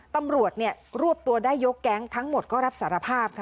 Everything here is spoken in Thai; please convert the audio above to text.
ตำรวจรวบตัวได้ยกแก๊งทั้งหมดก็รับสารภาพค่ะ